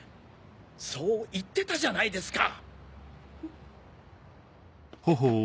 そう言ってたじゃないですか。